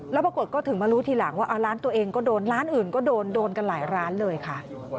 แล้วปรากฏก็ถึงมารู้ทีหลังว่าร้านตัวเองก็โดนร้านอื่นก็โดนโดนกันหลายร้านเลยค่ะ